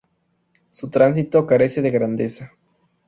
Su tránsito carece de grandeza.